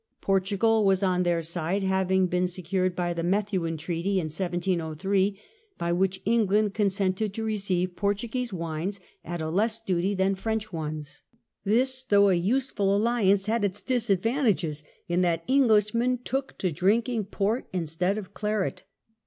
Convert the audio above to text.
Portugal was on their side, having been secured by the Methuen Treaty (1703), by which England consented to receive Portuguese wines at a less duty than French ones. This, though a useful alliance, had its disadvantage, in that Englishmen took to drinking port instead of claret.